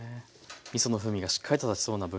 みその風味がしっかりと立ちそうな分量ですね。